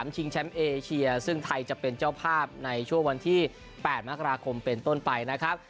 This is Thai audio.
ชิงแชมป์เอเชียซึ่งไทยจะเป็นเจ้าภาพในช่วงวันที่๘มกราคมเป็นต้นไปนะครับ